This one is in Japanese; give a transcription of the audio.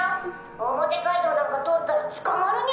表街道なんか通ったら捕まるニャ。